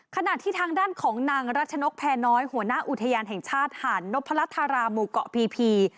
ขณะที่ทางด้านของนางรัชนกแพรน้อยหัวหน้าอุทยานแห่งชาติหาดนพลัทธาราหมู่เกาะพีพี